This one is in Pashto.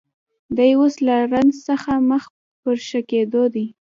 دی اوس له زنځ څخه مخ پر ښه کېدو دی